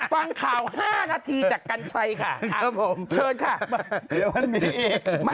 ฟังข่าว๕นาทีจากกัญไชยย์ค่ะ